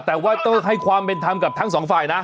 แต่ว่าต้องให้ความเป็นธรรมกับทั้งสองฝ่ายนะ